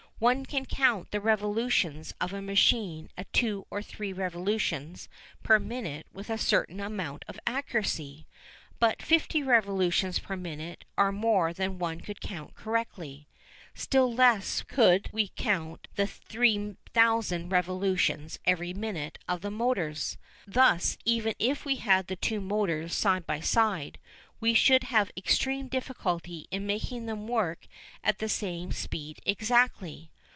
One can count the revolutions of a machine at two or three revolutions per minute with a certain amount of accuracy, but fifty revolutions per minute are more than one could count correctly. Still less could we count the 3000 revolutions every minute of the motors. Thus, even if we had the two motors side by side, we should have extreme difficulty in making them work at the same speed exactly.